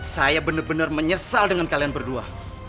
saya bener bener menyesal dengan kalian berdua